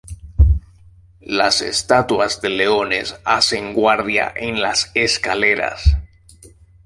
Las estatuas de leones hacen guardia en las escaleras.